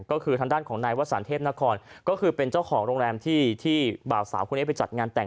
ก็คือทางด้านของนายวสันเทพนครก็คือเป็นเจ้าของโรงแรมที่บ่าวสาวคนนี้ไปจัดงานแต่ง